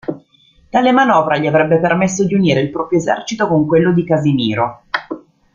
Tale manovra gli avrebbe permesso di unire il proprio esercito con quello di Casimiro.